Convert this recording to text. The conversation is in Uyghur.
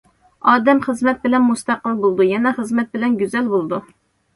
ئادەم خىزمەت بىلەن مۇستەقىل بولىدۇ، يەنە خىزمەت بىلەن گۈزەل بولىدۇ.